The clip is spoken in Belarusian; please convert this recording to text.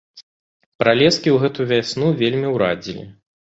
Пралескі ў гэту вясну вельмі ўрадзілі.